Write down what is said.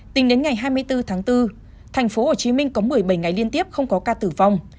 tính đến ngày hai mươi bốn tháng bốn tp hcm có một mươi bảy ngày liên tiếp không có ca tử vong